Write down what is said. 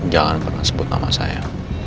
jangan pernah sebut nama saya